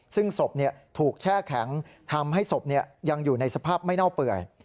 ซึ่งศพถูกแช่แข็งทำให้ศพยังอยู่ในสภาพไม่เน่าเปื่อย